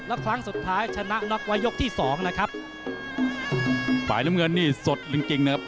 แล้วครั้งสุดท้ายชนะน็อกไว้ยกที่สองนะครับฝ่ายน้ำเงินนี่สดจริงจริงนะครับ